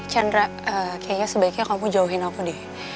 chandra kayaknya sebaiknya kamu jauhin aku deh